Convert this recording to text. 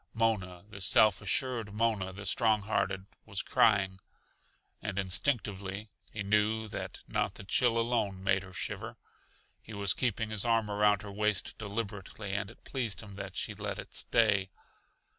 Mona the self assured, Mona the strong hearted, was crying. And instinctively he knew that not the chill alone made her shiver. He was keeping his arm around her waist deliberately, and it pleased him that she let it stay.